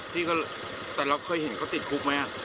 แต่เราเคยเห็นเขาติดคุกมั้ยอ่ะ